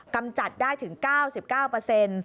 กำจัดได้ถึง๙๙